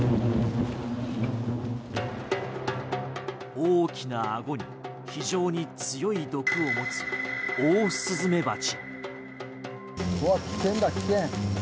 大きなあごに非常に強い毒を持つオオスズメバチ。